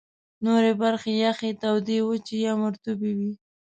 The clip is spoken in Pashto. نورې برخې یخي، تودې، وچي یا مرطوبې وې.